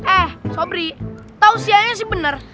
eh sobri tausianya sih benar